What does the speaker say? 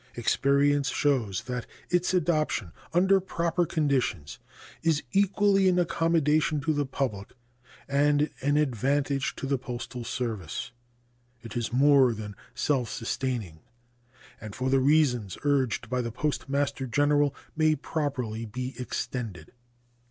Experience shows that its adoption, under proper conditions, is equally an accommodation to the public and an advantage to the postal service. It is more than self sustaining, and for the reasons urged by the Postmaster General may properly be extended.